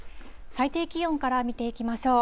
最低気温から見ていきましょう。